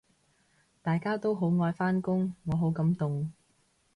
大家都好愛返工，我好感動